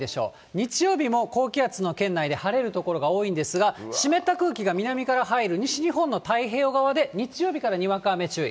日曜日も高気圧の圏内で晴れる所が多いんですが、湿った空気が南から入る西日本の太平洋側で、日曜日からにわか雨注意。